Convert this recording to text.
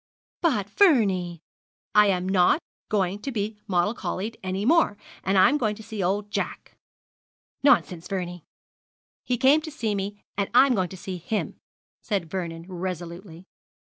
'But Vernie ' 'I am not going to be mollicoddled any more, and I'm going to see old Jack.' 'Nonsense, Vernie.' 'He came to see me, and I'm going to see him,' said Vernon, resolutely.